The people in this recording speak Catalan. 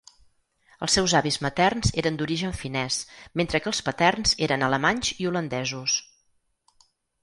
Els seus avis materns eren d'origen finès, mentre que els paterns eren alemanys i holandesos.